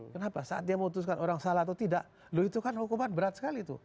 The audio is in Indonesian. kenapa saat dia memutuskan orang salah atau tidak loh itu kan hukuman berat sekali tuh